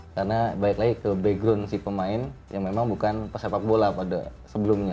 karena baik lagi kalau background si pemain yang memang bukan pesepak bola pada sebelumnya